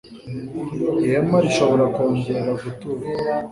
ihema rishobora kongera guturwa